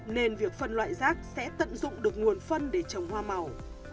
nên việc phân loại rác sẽ tận dụng được nguồn phân để trồng hoa màu